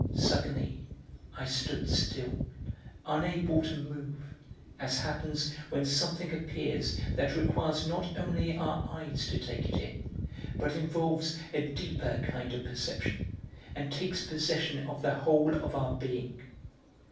Suddenly I stood still, unable to move, as happens when something appears that requires not only our eyes to take it in, but involves a deeper kind of perception and takes possession of the whole of our being.